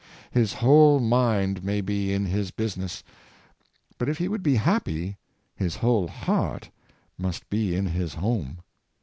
His. whole mind may be in his business; but, if he would be happy, his whole heart must be in his home.